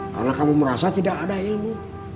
karena kamu merasa tidak ada ilmu